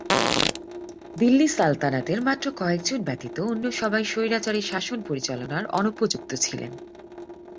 দিল্লি সালতানাতের মাত্র কয়েকজন ব্যতীত অন্য সবাই স্বৈরাচারী শাসন পরিচালনার অনুপযুক্ত ছিলেন।